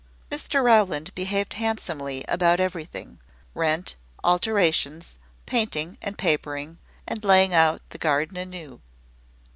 Mr Rowland behaved handsomely about everything, rent, alterations, painting, and papering, and laying out the garden anew.